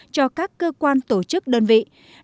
cho các cơ quan tổ chức đơn vị